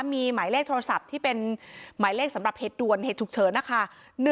มีหมายเลขโทรศัพท์ที่เป็นหมายเลขสำหรับเหตุด่วนเหตุฉุกเฉินนะคะ